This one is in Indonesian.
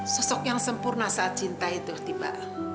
sosok yang sempurna saat cinta itu tiba